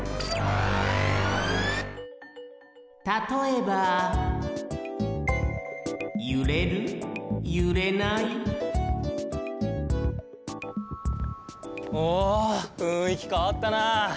たとえばおふんいきかわったな。